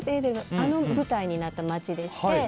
あの舞台になった街でして。